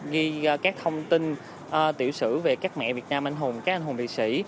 ghi các thông tin tiểu sử về các mẹ việt nam anh hùng các anh hùng liệt sĩ